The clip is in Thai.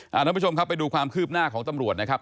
ท่านผู้ชมครับไปดูความคืบหน้าของตำรวจนะครับ